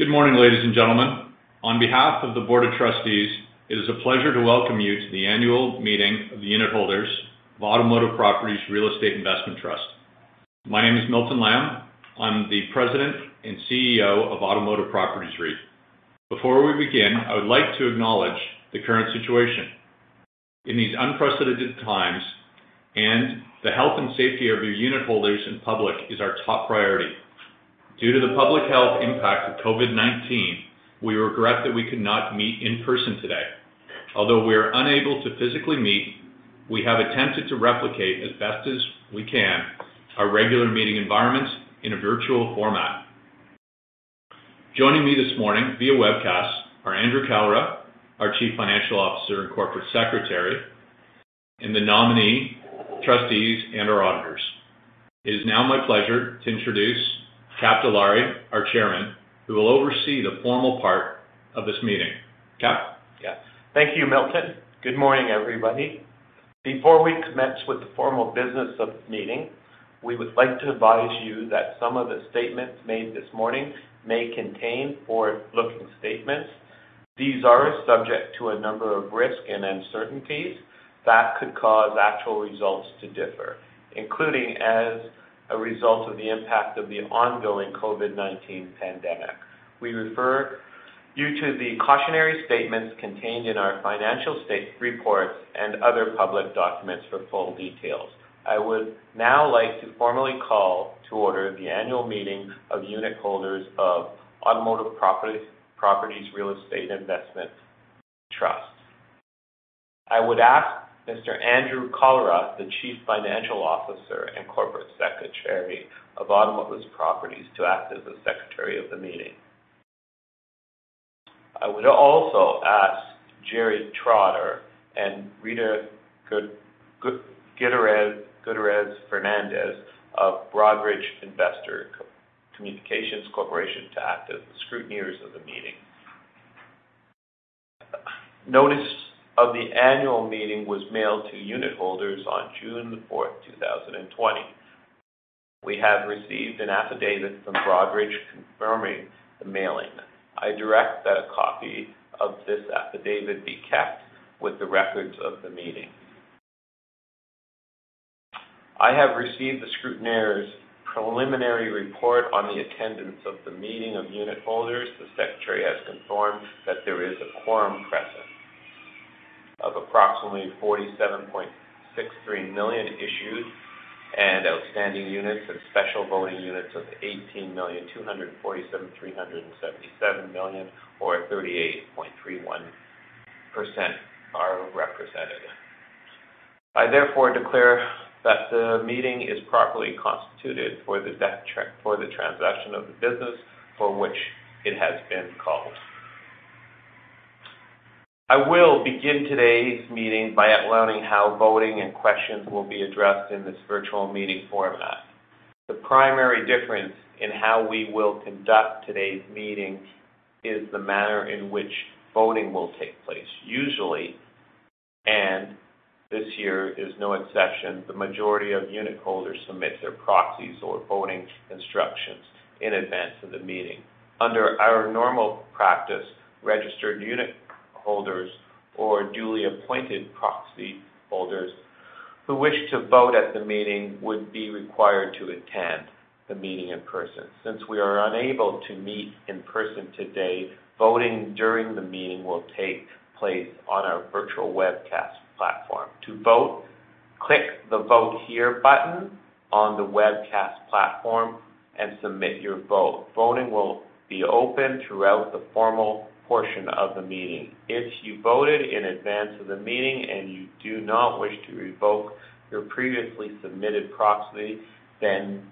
Good morning, ladies and gentlemen. On behalf of the Board of Trustees, it is a pleasure to welcome you to the annual meeting of the unitholders of Automotive Properties Real Estate Investment Trust. My name is Milton Lamb. I'm the President and CEO of Automotive Properties REIT. Before we begin, I would like to acknowledge the current situation. In these unprecedented times and the health and safety of our unitholders and public is our top priority. Due to the public health impact of COVID-19, we regret that we could not meet in person today. Although we are unable to physically meet, we have attempted to replicate as best as we can, our regular meeting environment in a virtual format. Joining me this morning via webcast are Andrew Kalra, our Chief Financial Officer and Corporate Secretary, and the nominee, trustees, and our auditors. It is now my pleasure to introduce Kap Dilawri, our Chairman, who will oversee the formal part of this meeting. Kap? Yes. Thank you, Milton. Good morning, everybody. Before we commence with the formal business of this meeting, we would like to advise you that some of the statements made this morning may contain forward-looking statements. These are subject to a number of risks and uncertainties that could cause actual results to differ, including as a result of the impact of the ongoing COVID-19 pandemic. We refer you to the cautionary statements contained in our financial statements reports and other public documents for full details. I would now like to formally call to order the annual meeting of unitholders of Automotive Properties Real Estate Investment Trust. I would ask Mr. Andrew Kalra, the Chief Financial Officer and Corporate Secretary of Automotive Properties, to act as the secretary of the meeting. I would also ask Jerry Trotter and Rita Gutierrez-Fernandez of Broadridge Investor Communications Corporation to act as the scrutineers of the meeting. Notice of the annual meeting was mailed to unitholders on June 4, 2020. We have received an affidavit from Broadridge confirming the mailing. I direct that a copy of this affidavit be kept with the records of the meeting. I have received the scrutineer's preliminary report on the attendance of the meeting of unitholders. The Secretary has confirmed that there is a quorum present. Of approximately 47.63 million issued and outstanding units, and special voting units of 18,000,247, 377 million, or 38.31% are represented. I therefore declare that the meeting is properly constituted for the transaction of the business for which it has been called. I will begin today's meeting by outlining how voting and questions will be addressed in this virtual meeting format. The primary difference in how we will conduct today's meeting is the manner in which voting will take place. Usually, and this year is no exception, the majority of unitholders submit their proxies or voting instructions in advance of the meeting. Under our normal practice, registered unitholders or duly appointed proxy holders who wish to vote at the meeting would be required to attend the meeting in person. Since we are unable to meet in person today, voting during the meeting will take place on our virtual webcast platform. To vote, click the Vote Here button on the webcast platform and submit your vote. Voting will be open throughout the formal portion of the meeting. If you voted in advance of the meeting and you do not wish to revoke your previously submitted proxy, then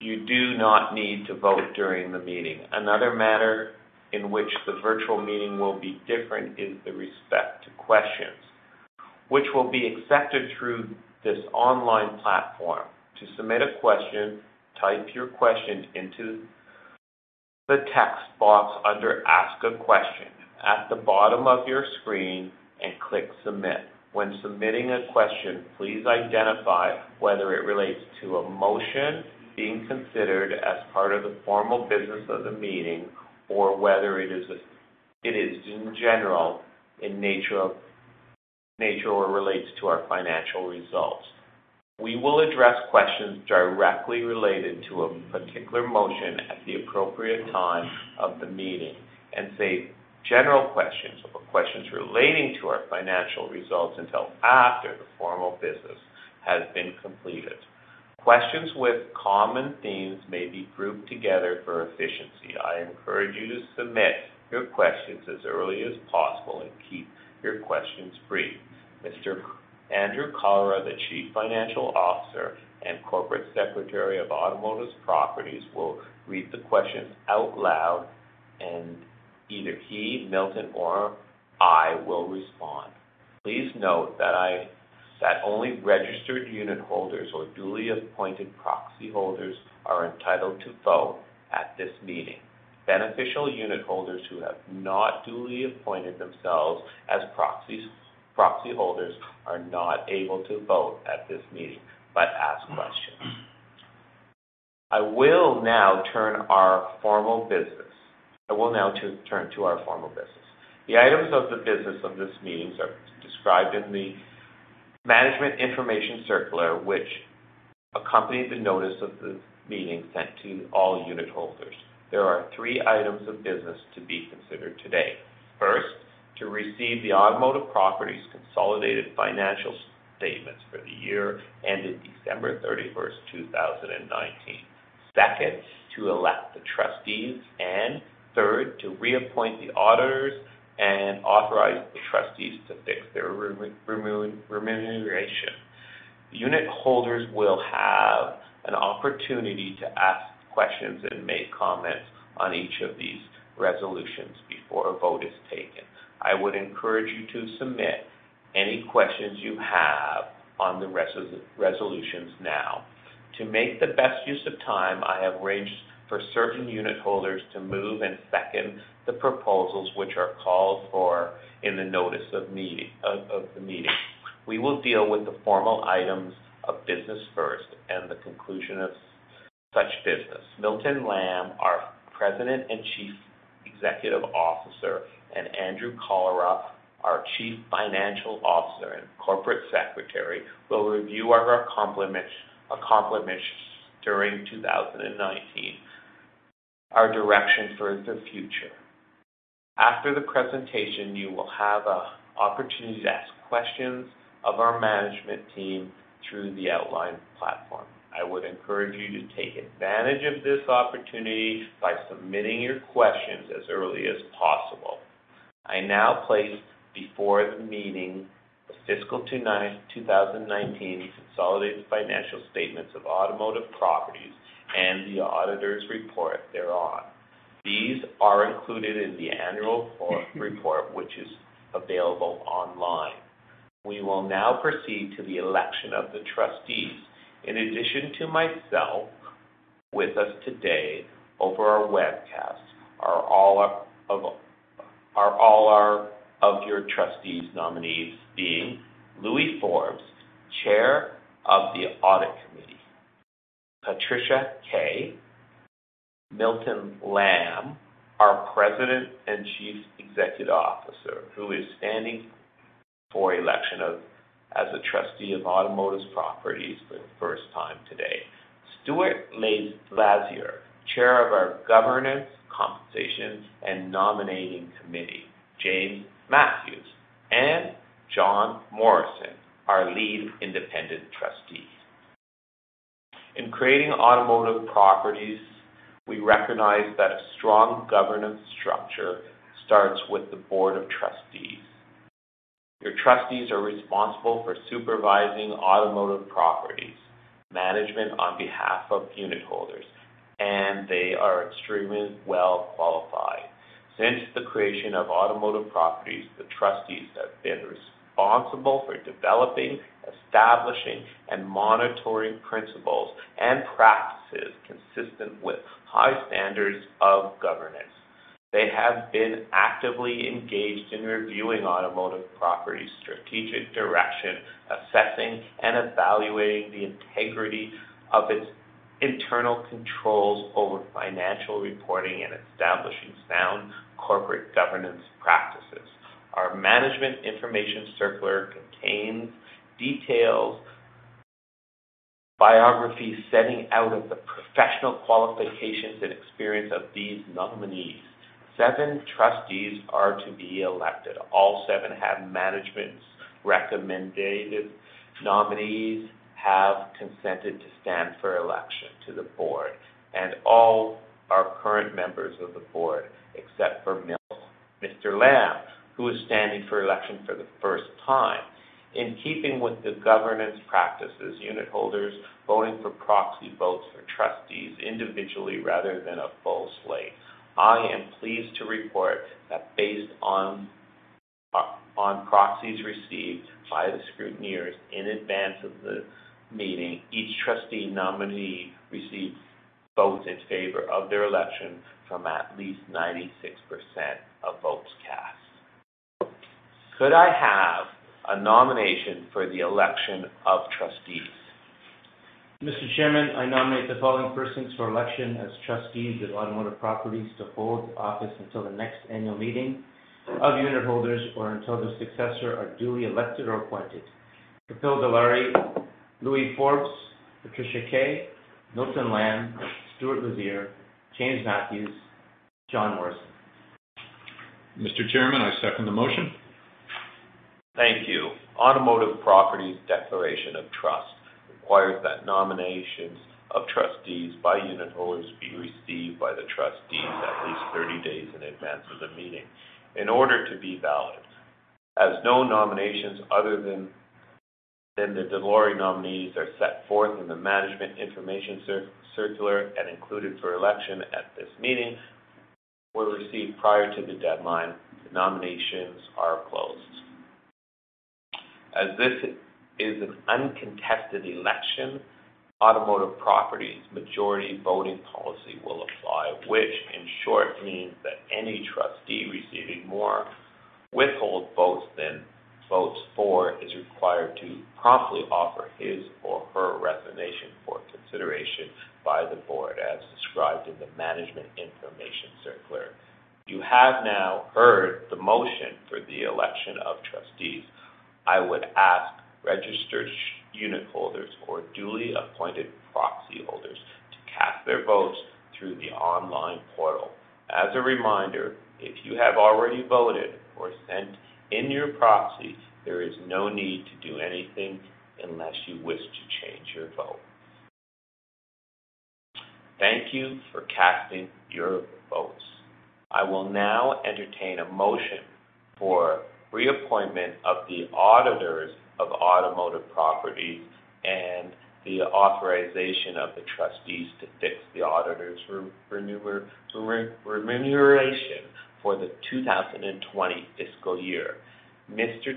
you do not need to vote during the meeting. Another matter in which the virtual meeting will be different is the respect to questions, which will be accepted through this online platform. To submit a question, type your question into the text box under Ask a Question at the bottom of your screen and click Submit. When submitting a question, please identify whether it relates to a motion being considered as part of the formal business of the meeting, or whether it is general in nature or relates to our financial results. We will address questions directly related to a particular motion at the appropriate time of the meeting and save general questions or questions relating to our financial results until after the formal business has been completed. Questions with common themes may be grouped together for efficiency. I encourage you to submit your questions as early as possible and keep your questions brief. Mr. Andrew Kalra, the Chief Financial Officer and Corporate Secretary of Automotive Properties, will read the questions out loud, and either he, Milton, or I will respond. Please note that only registered unitholders or duly appointed proxy holders are entitled to vote at this meeting. Beneficial unitholders who have not duly appointed themselves as proxies, proxy holders, are not able to vote at this meeting, but ask questions. I will now turn to our formal business. The items of the business of this meeting are described in the Management Information Circular, which accompanied the notice of the meeting sent to all unitholders. There are three items of business to be considered today. First, to receive the Automotive Properties consolidated financial statements for the year ended December 31st, 2019. Second, to elect the trustees. Third, to reappoint the auditors and authorize the trustees to fix their remuneration. Unitholders will have an opportunity to ask questions and make comments on each of these resolutions before a vote is taken. I would encourage you to submit any questions you have on the resolutions now. To make the best use of time, I have arranged for certain unitholders to move and second the proposals, which are called for in the notice of the meeting. We will deal with the formal items of business first and the conclusion of such business. Milton Lamb, our President and Chief Executive Officer, and Andrew Kalra, our Chief Financial Officer and Corporate Secretary, will review our accomplishments during 2019, our direction for the future. After the presentation, you will have a opportunity to ask questions of our management team through the outlined platform. I would encourage you to take advantage of this opportunity by submitting your questions as early as possible. I now place before the meeting, the fiscal 2019 Consolidated Financial Statements of Automotive Properties and the auditors' report thereon. These are included in the annual report, which is available online. We will now proceed to the election of the trustees. In addition to myself, with us today over our webcast, are all our of your trustees nominees being Louis Forbes, Chair of the Audit Committee, Patricia Kay, Milton Lamb, our President and Chief Executive Officer, who is standing for election as a trustee of Automotive Properties for the first time today, Stuart Lazier, Chair of our Governance, Compensation and Nominating Committee, James Matthews, and John Morrison, our Lead Independent Trustee. In creating Automotive Properties, we recognize that a strong governance structure starts with the board of trustees. Your trustees are responsible for supervising Automotive Properties management on behalf of unitholders, they are extremely well qualified. Since the creation of Automotive Properties, the trustees have been responsible for developing, establishing, and monitoring principles and practices consistent with high standards of governance. They have been actively engaged in reviewing Automotive Properties' strategic direction, assessing and evaluating the integrity of its internal controls over financial reporting, and establishing sound corporate governance practices. Our Management Information Circular contains detailed biographies setting out of the professional qualifications and experience of these nominees. Seven trustees are to be elected. All seven have management's recommended nominees, have consented to stand for election to the board, and all are current members of the board, except for Mr. Lamb, who is standing for election for the first time. In keeping with the governance practices, unitholders voting for proxy votes for trustees individually rather than a full slate. I am pleased to report that based on proxies received by the scrutineers in advance of the meeting, each trustee nominee received votes in favor of their election from at least 96% of votes cast. Could I have a nomination for the election of Trustees? Mr. Chairman, I nominate the following persons for election as trustees of Automotive Properties to hold office until the next annual meeting of unitholders or until the successor are duly elected or appointed. Kapil Dilawri, Louis Forbes, Patricia Kay, Milton Lamb, Stuart Lazier, James Matthews, John Morrison. Mr. Chairman, I second the motion. Thank you. Automotive Properties Declaration of Trust requires that nominations of trustees by unitholders be received by the trustees at least 30 days in advance of the meeting in order to be valid. As no nominations other than the Dilawri nominees are set forth in the Management Information Circular and included for election at this meeting were received prior to the deadline, the nominations are closed. As this is an uncontested election, Automotive Properties' majority voting policy will apply, which in short means that any trustee receiving more withhold votes, then votes for is required to promptly offer his or her resignation for consideration by the Board, as described in the Management Information Circular. You have now heard the motion for the election of trustees. I would ask registered unitholders or duly appointed proxyholders to cast their votes through the online portal. As a reminder, if you have already voted or sent in your proxy, there is no need to do anything unless you wish to change your vote. Thank you for casting your votes. I will now entertain a motion for reappointment of the auditors of Automotive Properties and the authorization of the trustees to fix the auditor's re-remuneration for the 2020 fiscal year. Mr.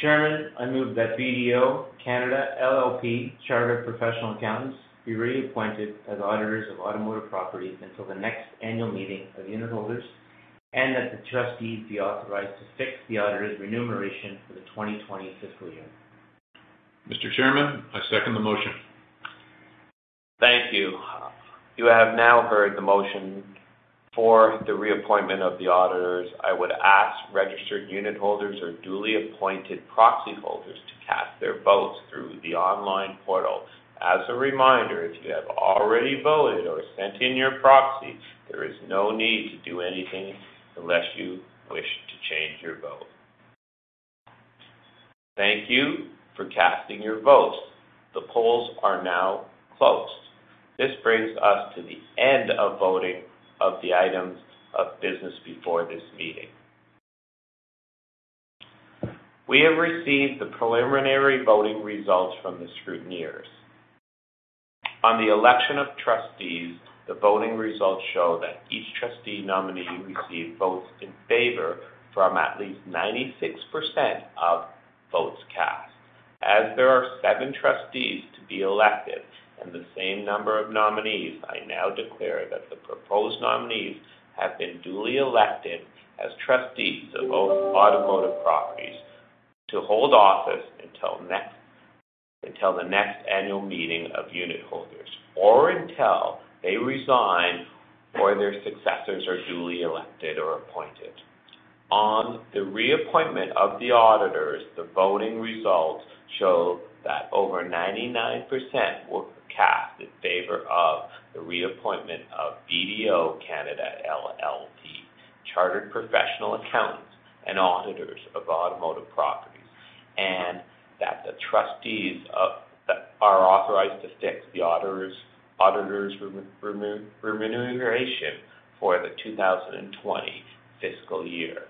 Chairman, I move that BDO Canada LLP, Chartered Professional Accountants, be reappointed as auditors of Automotive Properties until the next annual meeting of unitholders, and that the trustees be authorized to fix the auditor's remuneration for the 2020 fiscal year. Mr. Chairman, I second the motion. Thank you. You have now heard the motion for the reappointment of the auditors. I would ask registered unitholders or duly appointed proxyholders to cast their votes through the online portal. As a reminder, if you have already voted or sent in your proxy, there is no need to do anything unless you wish to change your vote. Thank you for casting your votes. The polls are now closed. This brings us to the end of voting of the items of business before this meeting. We have received the preliminary voting results from the scrutineers. On the election of trustees, the voting results show that each trustee nominee received votes in favor from at least 96% of votes cast. As there are seven trustees to be elected and the same number of nominees, I now declare that the proposed nominees have been duly elected as trustees of both Automotive Properties, to hold office until the next annual meeting of unitholders or until they resign, or their successors are duly elected or appointed. On the reappointment of the auditors, the voting results show that over 99% were cast in favor of the reappointment of BDO Canada LLP, Chartered Professional Accountants and Auditors of Automotive Properties, and that the trustees that are authorized to fix the auditors remuneration for the 2020 fiscal year.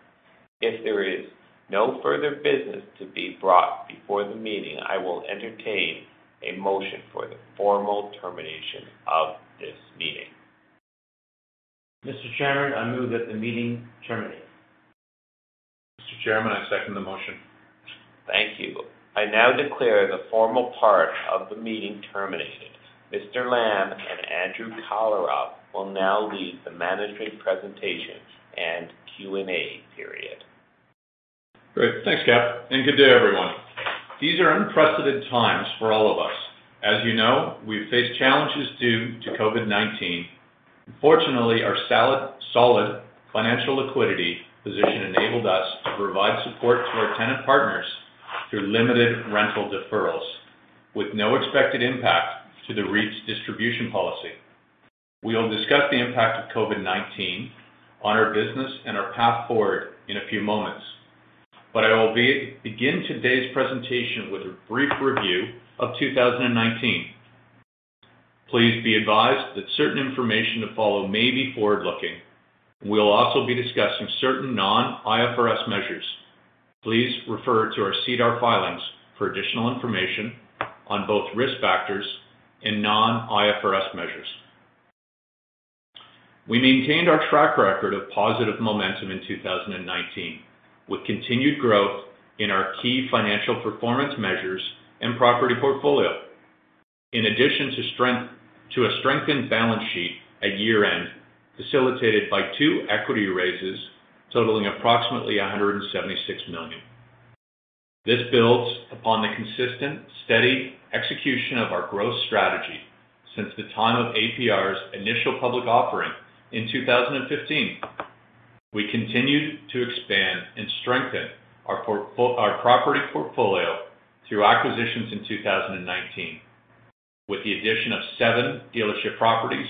If there is no further business to be brought before the meeting, I will entertain a motion for the formal termination of this meeting. Mr. Chairman, I move that the meeting terminate. Mr. Chairman, I second the motion. Thank you. I now declare the formal part of the meeting terminated. Mr. Lamb and Andrew Kalra will now lead the management presentation and Q&A period. Great. Thanks, Kap, and good day, everyone. These are unprecedented times for all of us. As you know, we've faced challenges due to COVID-19. Fortunately, our solid financial liquidity position enabled us to provide support to our tenant partners through limited rental deferrals, with no expected impact to the REIT's distribution policy. We will discuss the impact of COVID-19 on our business and our path forward in a few moments, but I will begin today's presentation with a brief review of 2019. Please be advised that certain information to follow may be forward-looking. We'll also be discussing certain non-IFRS measures. Please refer to our SEDAR filings for additional information on both risk factors and non-IFRS measures. We maintained our track record of positive momentum in 2019, with continued growth in our key financial performance measures and property portfolio. In addition to a strengthened balance sheet at year-end, facilitated by two equity raises totaling approximately 176 million. This builds upon the consistent, steady execution of our growth strategy since the time of APR's initial public offering in 2015. We continued to expand and strengthen our property portfolio through acquisitions in 2019, with the addition of seven dealership properties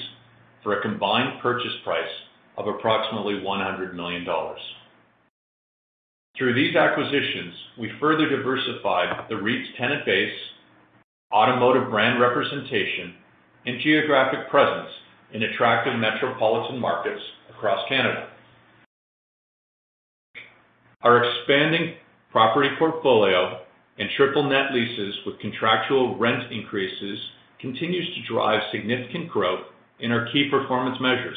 for a combined purchase price of approximately 100 million dollars. Through these acquisitions, we further diversified the REIT's tenant base, automotive brand representation, and geographic presence in attractive metropolitan markets across Canada. Our expanding property portfolio and triple net leases with contractual rent increases, continues to drive significant growth in our key performance measures.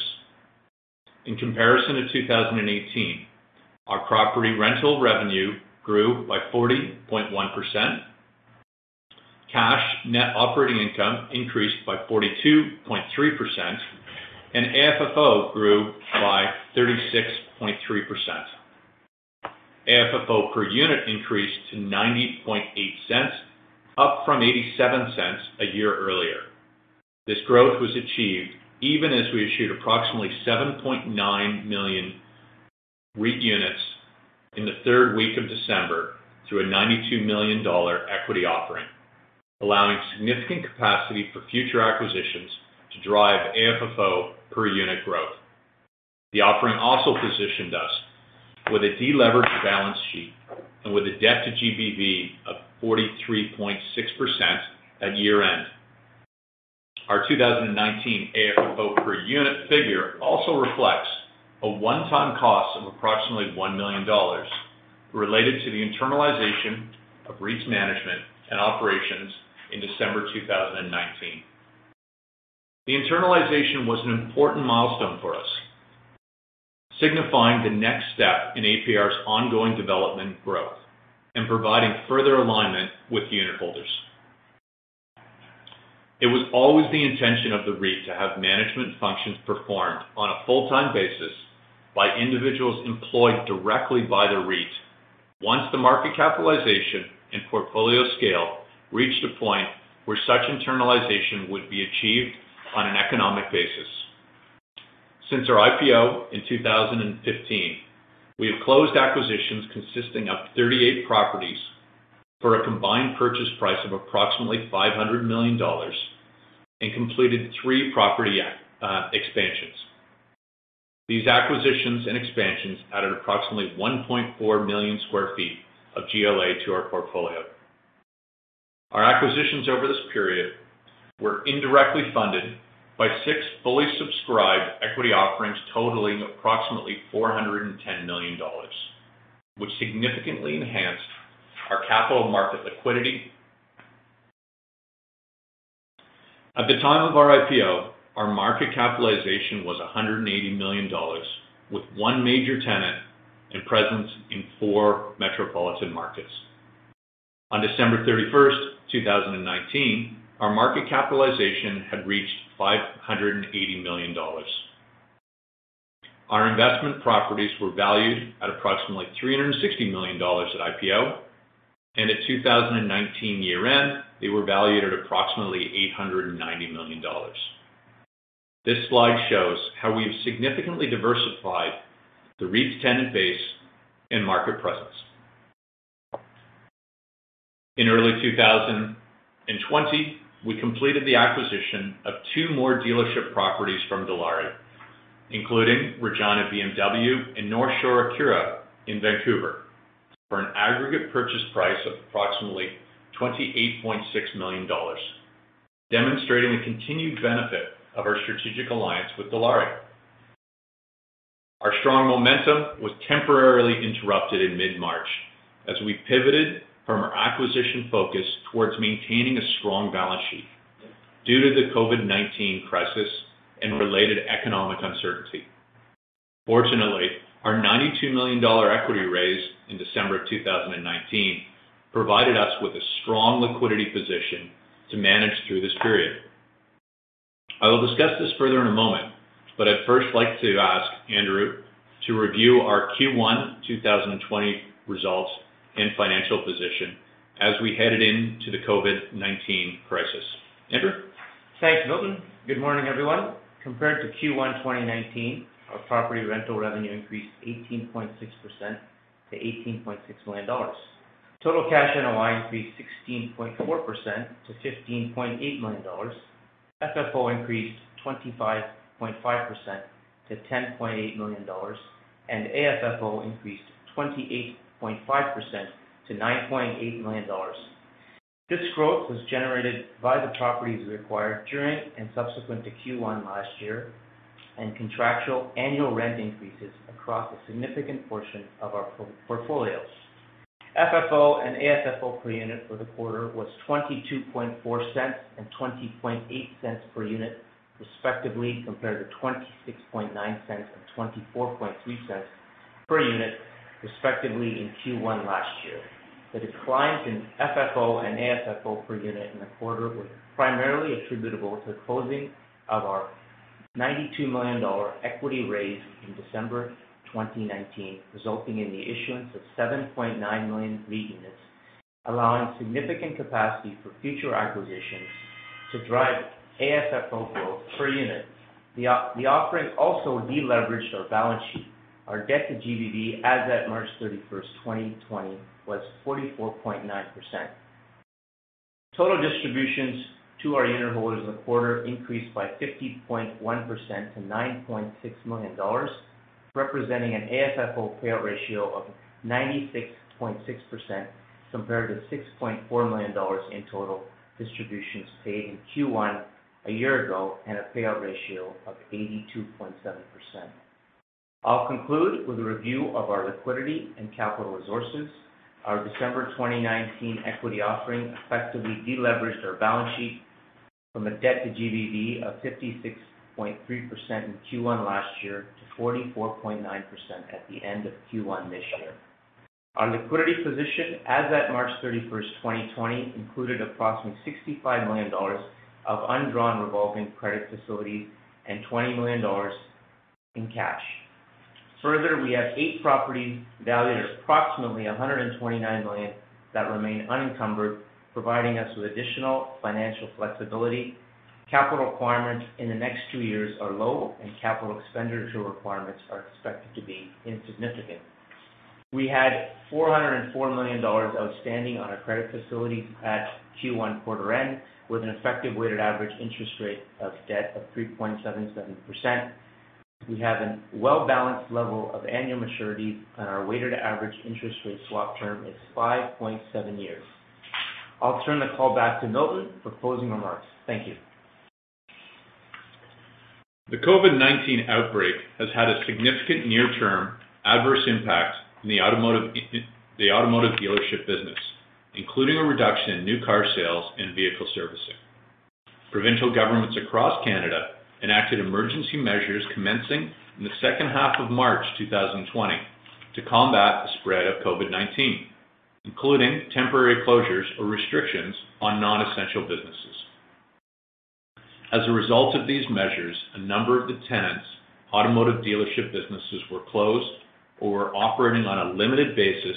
In comparison to 2018, our property rental revenue grew by 40.1%. Cash net operating income increased by 42.3%. AFFO grew by 36.3%. AFFO per unit increased to 0.908, up from 0.87 a year earlier. This growth was achieved even as we issued approximately 7.9 million REIT units in the third week of December through a 92 million dollar equity offering, allowing significant capacity for future acquisitions to drive AFFO per unit growth. The offering also positioned us with a deleveraged balance sheet and with a debt to GBV of 43.6% at year-end. Our 2019 AFFO per unit figure also reflects a one-time cost of approximately 1 million dollars, related to the internalization of REIT's management and operations in December 2019. The internalization was an important milestone for us, signifying the next step in APR's ongoing development growth and providing further alignment with unitholders. It was always the intention of the REIT to have management functions performed on a full-time basis by individuals employed directly by the REIT, once the market capitalization and portfolio scale reached a point where such internalization would be achieved on an economic basis. Since our IPO in 2015, we have closed acquisitions consisting of 38 properties for a combined purchase price of approximately 500 million dollars and completed three property expansions. These acquisitions and expansions added approximately 1.4 million sq ft of GLA to our portfolio. Our acquisitions over this period were indirectly funded by six fully subscribed equity offerings, totaling approximately 410 million dollars, which significantly enhanced our capital market liquidity. At the time of our IPO, our market capitalization was 180 million dollars, with one major tenant and presence in four metropolitan markets. On December 31st, 2019, our market capitalization had reached 580 million dollars. Our investment properties were valued at approximately 360 million dollars at IPO, and at 2019 year-end, they were valued at approximately 890 million dollars. This slide shows how we have significantly diversified the REIT's tenant base and market presence. In early 2020, we completed the acquisition of two more dealership properties from Dilawri, including BMW Regina and North Shore Acura in Vancouver, for an aggregate purchase price of approximately 28.6 million dollars, demonstrating the continued benefit of our strategic alliance with Dilawri. Our strong momentum was temporarily interrupted in mid-March as we pivoted from our acquisition focus towards maintaining a strong balance sheet due to the COVID-19 crisis and related economic uncertainty. Fortunately, our 92 million dollar equity raise in December of 2019 provided us with a strong liquidity position to manage through this period. I will discuss this further in a moment. I'd first like to ask Andrew to review our Q1 2020 results and financial position as we headed into the COVID-19 crisis. Andrew? Thanks, Milton. Good morning, everyone. Compared to Q1 2019, our property rental revenue increased 18.6% to 18.6 million dollars. Total cash NOI increased 16.4% to 15.8 million dollars. FFO increased 25.5% to 10.8 million dollars, and AFFO increased 28.5% to 9.8 million dollars. This growth was generated by the properties we acquired during and subsequent to Q1 last year, and contractual annual rent increases across a significant portion of our portfolios. FFO and AFFO per unit for the quarter was 0.224 and 0.208 per unit, respectively, compared to 0.269 and 0.243 per unit, respectively, in Q1 last year. The decline in FFO and AFFO per unit in the quarter was primarily attributable to the closing of our 92 million dollar equity raise in December 2019, resulting in the issuance of 7.9 million REIT units, allowing significant capacity for future acquisitions to drive AFFO growth per unit. The offering also deleveraged our balance sheet. Our debt to GBV as at March 31, 2020, was 44.9%. Total distributions to our unitholders in the quarter increased by 50.1% to 9.6 million dollars, representing an AFFO payout ratio of 96.6%, compared to 6.4 million dollars in total distributions paid in Q1 a year ago, and a payout ratio of 82.7%. I'll conclude with a review of our liquidity and capital resources. Our December 2019 equity offering effectively deleveraged our balance sheet. From a debt to GBV of 56.3% in Q1 last year, to 44.9% at the end of Q1 this year. Our liquidity position as at March 31, 2020, included approximately 65 million dollars of undrawn revolving credit facilities and 20 million dollars in cash. Further, we have eight properties valued at approximately 129 million, that remain unencumbered, providing us with additional financial flexibility. Capital requirements in the next two years are low, and capital expenditure requirements are expected to be insignificant. We had 404 million dollars outstanding on our credit facilities at Q1 quarter end, with an effective weighted average interest rate of debt of 3.77%. We have a well-balanced level of annual maturities, and our weighted average interest rate swap term is 5.7 years. I'll turn the call back to Milton for closing remarks. Thank you. The COVID-19 outbreak has had a significant near-term adverse impact in the automotive dealership business, including a reduction in new car sales and vehicle servicing. Provincial governments across Canada enacted emergency measures commencing in the second half of March, 2020, to combat the spread of COVID-19, including temporary closures or restrictions on non-essential businesses. As a result of these measures, a number of the tenants, automotive dealership businesses were closed or operating on a limited basis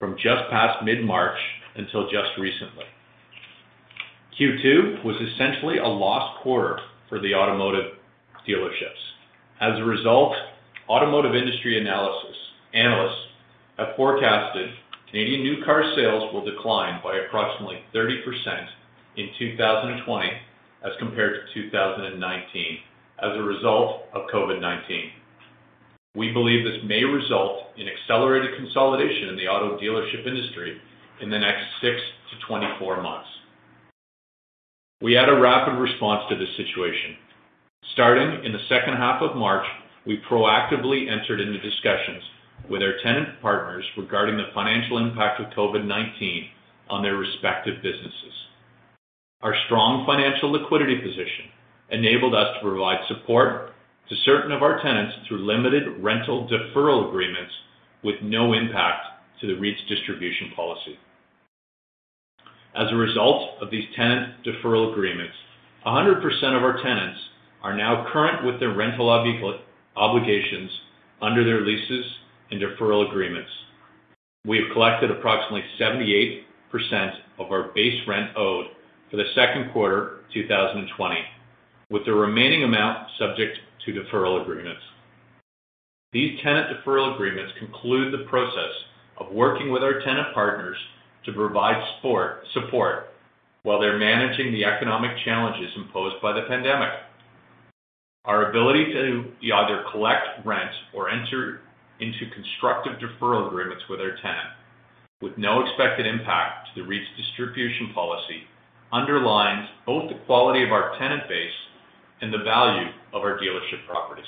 from just past mid-March until just recently. Q2 was essentially a lost quarter for the automotive dealerships. As a result, automotive industry analysis, analysts have forecasted Canadian new car sales will decline by approximately 30% in 2020 as compared to 2019, as a result of COVID-19. We believe this may result in accelerated consolidation in the auto dealership industry in the next six-24 months. We had a rapid response to this situation. Starting in the second half of March, we proactively entered into discussions with our tenant partners regarding the financial impact of COVID-19 on their respective businesses. Our strong financial liquidity position enabled us to provide support to certain of our tenants through limited rental deferral agreements, with no impact to the REIT's distribution policy. As a result of these tenant deferral agreements, 100% of our tenants are now current with their rental obligations under their leases and deferral agreements. We have collected approximately 78% of our base rent owed for the second quarter, 2020, with the remaining amount subject to deferral agreements. These tenant deferral agreements conclude the process of working with our tenant partners to provide support while they're managing the economic challenges imposed by the pandemic. Our ability to either collect rent or enter into constructive deferral agreements with our tenant, with no expected impact to the REIT's distribution policy, underlines both the quality of our tenant base and the value of our dealership properties.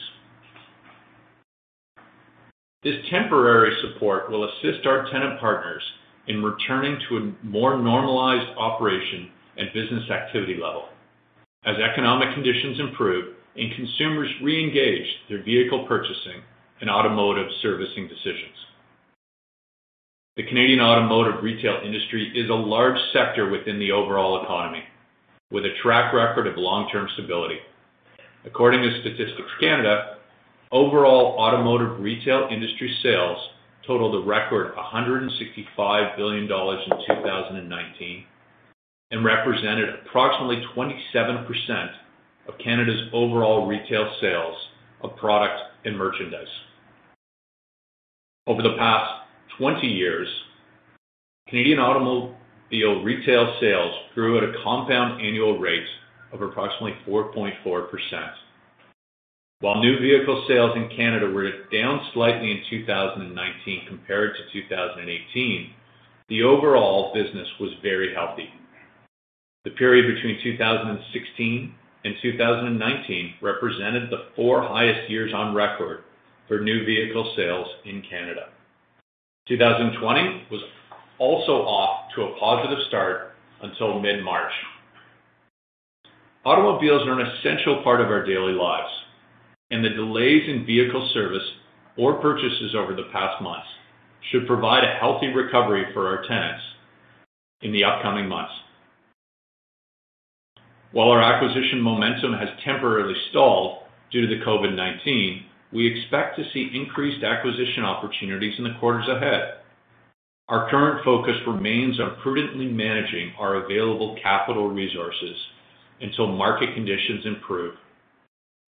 This temporary support will assist our tenant partners in returning to a more normalized operation and business activity level as economic conditions improve and consumers reengage their vehicle purchasing and automotive servicing decisions. The Canadian automotive retail industry is a large sector within the overall economy, with a track record of long-term stability. According to Statistics Canada, overall automotive retail industry sales totaled a record, 165 billion dollars in 2019, and represented approximately 27% of Canada's overall retail sales of product and merchandise. Over the past 20 years, Canadian automobile retail sales grew at a compound annual rate of approximately 4.4%. While new vehicle sales in Canada were down slightly in 2019 compared to 2018, the overall business was very healthy. The period between 2016 and 2019 represented the four highest years on record for new vehicle sales in Canada. 2020 was also off to a positive start until mid-March. Automobiles are an essential part of our daily lives, and the delays in vehicle service or purchases over the past months should provide a healthy recovery for our tenants in the upcoming months. While our acquisition momentum has temporarily stalled due to the COVID-19, we expect to see increased acquisition opportunities in the quarters ahead. Our current focus remains on prudently managing our available capital resources until market conditions improve.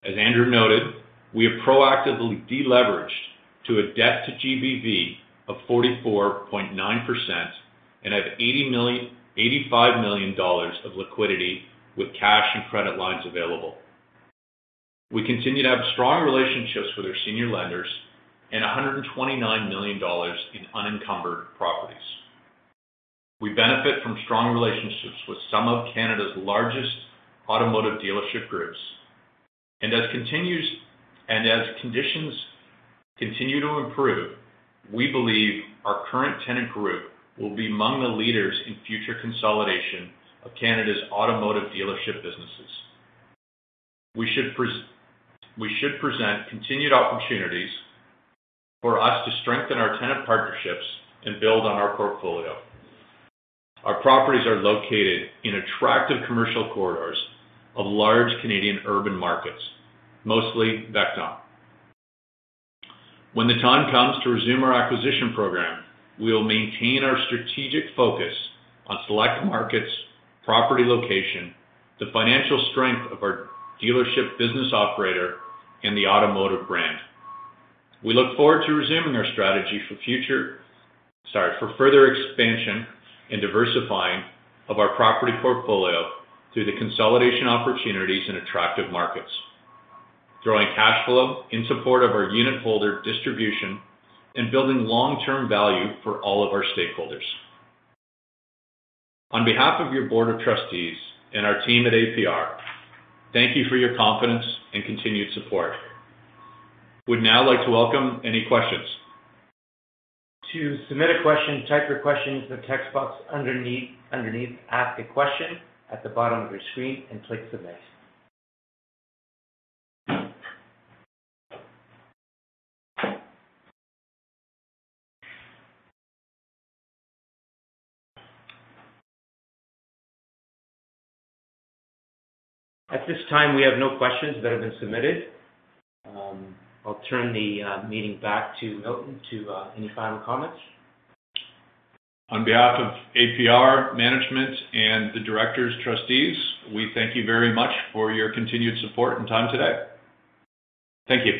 As Andrew noted, we have proactively deleveraged to a debt to GBV of 44.9% and have 85 million dollars of liquidity with cash and credit lines available. We continue to have strong relationships with our senior lenders and 129 million dollars in unencumbered properties. We benefit from strong relationships with some of Canada's largest automotive dealership groups. As conditions continue to improve, we believe our current tenant group will be among the leaders in future consolidation of Canada's automotive dealership businesses. We should present continued opportunities for us to strengthen our tenant partnerships and build on our portfolio. Our properties are located in attractive commercial corridors of large Canadian urban markets, mostly [back on. When the time comes to resume our acquisition program, we will maintain our strategic focus on select markets, property location, the financial strength of our dealership business operator, and the automotive brand. We look forward to resuming our strategy for future... Sorry, for further expansion and diversifying of our property portfolio through the consolidation opportunities in attractive markets, growing cash flow in support of our unitholder distribution, and building long-term value for all of our stakeholders. On behalf of your board of trustees and our team at APR.UN, thank you for your confidence and continued support. We'd now like to welcome any questions. To submit a question, type your question into the text box underneath, Ask a Question, at the bottom of your screen, and click Submit. At this time, we have no questions that have been submitted. I'll turn the meeting back to Milton, to any final comments. On behalf of APR.UN management and the directors, trustees, we thank you very much for your continued support and time today. Thank you.